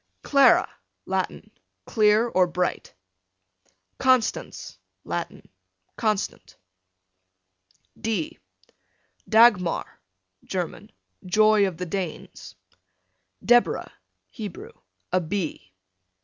Clara, Latin, clear or bright. Constance, Latin, constant. D Dagmar, German, joy of the Danes. Deborah, Hebrew, a bee.